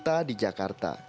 tidak ada yang menurut